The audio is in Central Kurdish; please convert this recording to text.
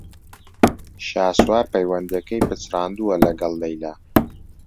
شاسوار پەیوەندییەکەی پچڕاندووە لەگەڵ لەیلا.